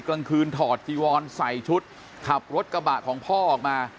กลางคืนถอดจีวอนใส่ชุดขับรถกระบะของพ่อออกมา